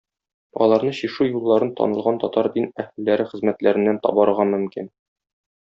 Аларны чишү юлларын танылган татар дин әһелләре хезмәтләреннән табарга мөмкин.